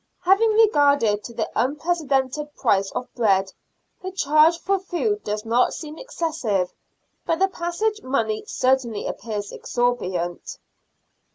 Having regard to the unprecedented price of bread, the charge for food does not seem excessive ; but the passage money certainly appears exorbitant.